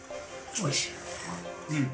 おいしい。